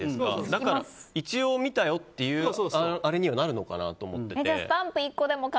だから一応見たよっていうあれにはなるのかなと思ってて。